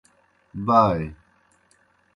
بائے۔